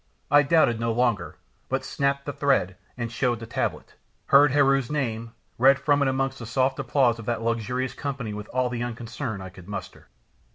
I doubted no longer, but snapped the thread, and showed the tablet, heard Heru's name, read from it amongst the soft applause of that luxurious company with all the unconcern I could muster.